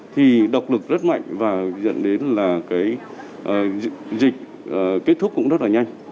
thì độc lực rất mạnh và dẫn đến là cái dịch kết thúc cũng rất là nhanh